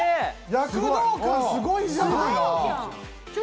躍動感すごいじゃん。